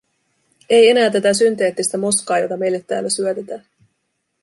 Ei enää tätä synteettistä moskaa, jota meille täällä syötetään.